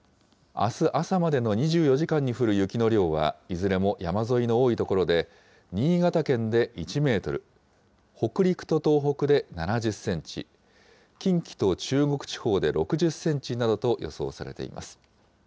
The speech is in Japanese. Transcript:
あす朝までの２４時間に降る雪の量は、いずれも山沿いの多い所で、新潟県で１メートル、北陸と東北で７０センチ、近畿と中国地方で６０センチなどと予想されています。